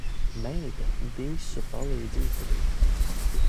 Meita visu palīdz izdarīt.